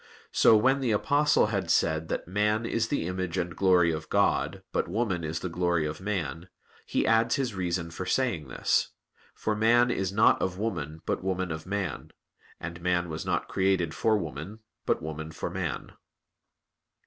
So when the Apostle had said that "man is the image and glory of God, but woman is the glory of man," he adds his reason for saying this: "For man is not of woman, but woman of man; and man was not created for woman, but woman for man."